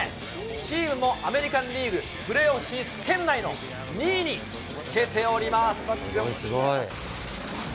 チームもアメリカンリーグプレーオフ進出圏内の２位につけておりすごい。